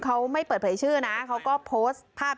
เขาไม่เปิดภัยชื่อนะเขาก็พอสต์ภาพเหตุการณ์